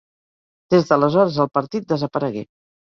Des d'aleshores el partit desaparegué.